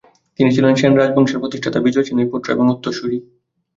তিনি ছিলেন সেন রাজবংশের প্রতিষ্ঠাতা বিজয় সেনের পুত্র এবং উত্তরসূরি।